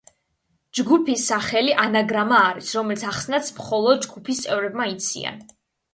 ჯგუფის სახელი ანაგრამა არის, რომლის ახსნაც მხოლოდ ჯგუფის წევრებმა იციან.